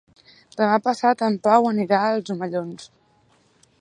Demà passat en Pau anirà als Omellons.